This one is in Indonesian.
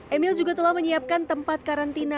emil juga telah menyiapkan tempat karantina